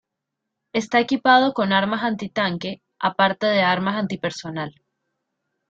Está equipado con armas antitanque, aparte de armas antipersonal.